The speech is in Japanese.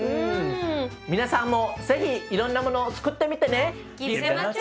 皆さんも是非いろんなものをつくってみてね。